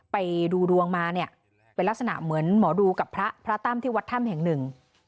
ไปดูดวงมาเนี่ยเป็นลักษณะเหมือนหมอดูกับพระพระตั้มที่วัดถ้ำแห่งหนึ่ง